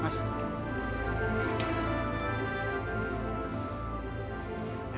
memang orang kalau punya niat baik